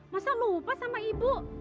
masa lupa sama ibu